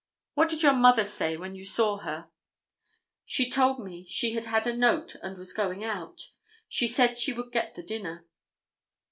"What did your mother say when you saw her?" "She told me she had had a note and was going out. She said she would get the dinner."